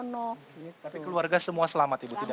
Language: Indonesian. tapi keluarga semua selamat ibu tidak